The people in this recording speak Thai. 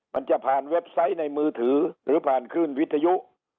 มันจะผ่านเว็บไซต์ในมือถือหรือผ่านขึ้นวิทยุ